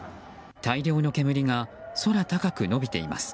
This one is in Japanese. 大量の煙が空高く延びています。